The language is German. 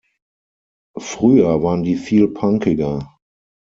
Früher waren die viel punkiger.